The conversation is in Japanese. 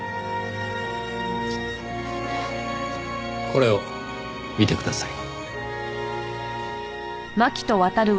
これを見てください。